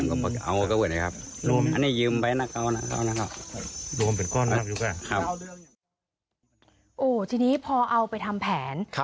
โอ้โหทีนี้พอเอาไปทำแผน